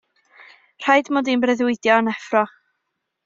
Rhaid mod i yn breuddwydio yn effro.